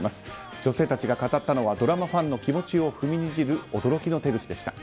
女性たちが語ったのはドラマファンの気持ちを踏みにじる驚きの手口でした。